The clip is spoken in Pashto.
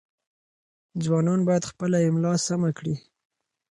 ځوانان باید خپله املاء سمه کړي.